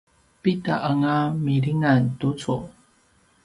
pidanga milingan tucu?